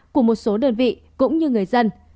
của một số đơn vị cũng như người dân